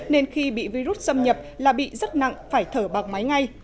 nên khi bị virus xâm nhập là bị rất nặng phải thở bọc máy ngay